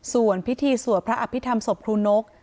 ส่วนพิธีสวดพระอภิษฐรรมศพครูนก